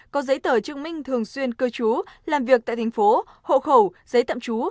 có giấy tờ chứng minh thường xuyên cơ chú làm việc tại thành phố hộ khẩu giấy tạm chú